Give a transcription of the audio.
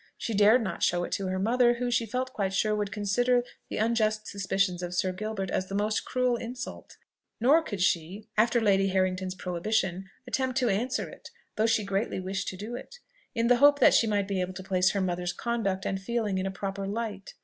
She dared not show it to her mother, who, she felt quite sure, would consider the unjust suspicions of Sir Gilbert as the most cruel insult: not could she, after Lady Harrington's prohibition, attempt to answer it, though she greatly wished to do it, in the hope that she might be able to place her mother's conduct and feelings in a proper light.